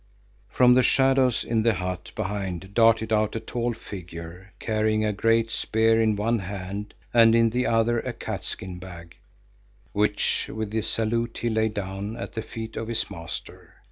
From the shadows in the hut behind darted out a tall figure carrying a great spear in one hand and in the other a catskin bag which with a salute he laid down at the feet of his master.